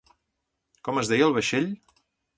Com es deia el vaixell?